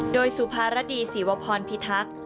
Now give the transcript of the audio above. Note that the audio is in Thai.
โดยสุภารดีศีวพรพิทักษ์